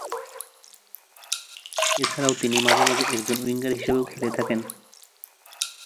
এছাড়াও তিনি মাঝে মাঝে একজন উইঙ্গার হিসেবেও খেলে থাকেন।